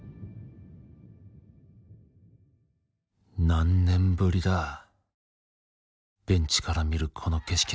何年ぶりだベンチから見るこの景色